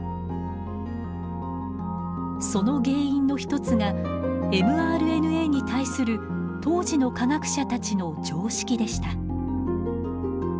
その原因の一つがｍＲＮＡに対する当時の科学者たちの常識でした。